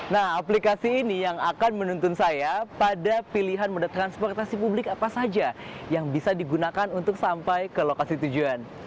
nah aplikasi ini yang akan menuntun saya pada pilihan moda transportasi publik apa saja yang bisa digunakan untuk sampai ke lokasi tujuan